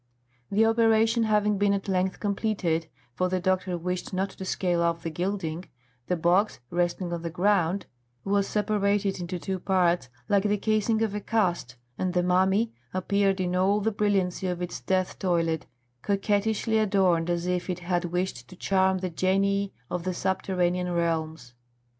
The operation having been at length completed for the doctor wished not to scale off the gilding, the box, resting on the ground, was separated into two parts like the casing of a cast, and the mummy appeared in all the brilliancy of its death toilet, coquettishly adorned as if it had wished to charm the genii of the subterranean realms.